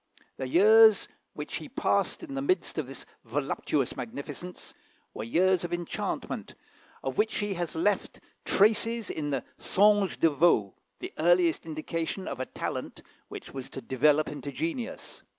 The years which he passed in the midst of this voluptuous magnificence were years of enchantment, of which he has left traces in the "Songe de Vaux," the earliest indication of a talent which was to develop into genius.